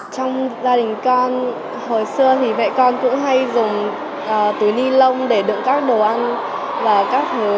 trong gia đình con hồi xưa thì mẹ con cũng hay dùng túi ni lông để đựng các đồ ăn và các thứ